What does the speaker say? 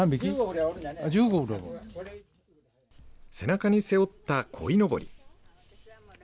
背中に背負ったこいのぼり。